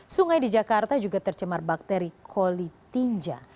sungai di jakarta juga tercemar bakteri kolitinja